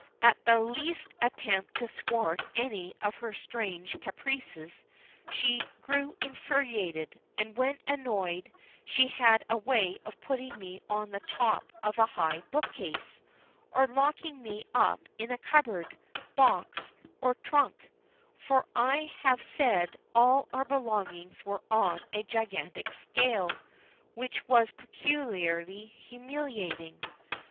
At the least attempt to thwart any of her strange caprices, she grew infuriated; and when annoyed, she had a way of putting me on the top of a high bookcase, or locking me up in a cupboard, box, or trunk for I have said all our belongings were on a gigantic scale which was peculiarly humiliating.